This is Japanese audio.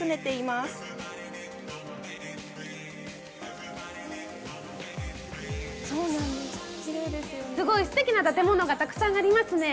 すごいすてきな建物がたくさんありますね。